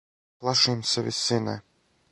Плашим се висине.